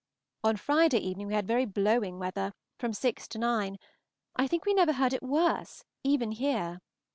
On Friday evening we had some very blowing weather, from six to nine; I think we never heard it worse, even here.